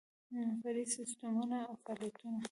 فرعي سیسټمونه او فعالیتونه